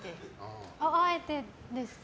あえてです。